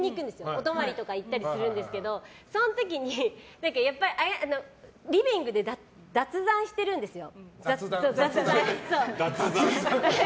お泊りとか行ったりするんですけどその時に、リビングでだつざん雑談してるんですよ。